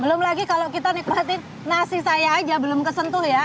belum lagi kalau kita nikmatin nasi saya aja belum kesentuh ya